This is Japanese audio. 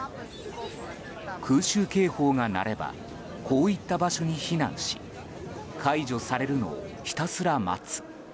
空襲警報が鳴ればこういった場所に避難し解除されるのをひたすら待つ。